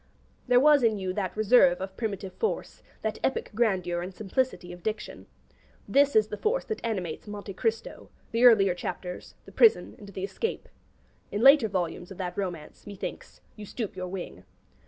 There was in you that reserve of primitive force, that epic grandeur and simplicity of diction. This is the force that animates 'Monte Cristo,' the earlier chapters, the prison, and the escape. In later volumes of that romance, methinks, you stoop your wing.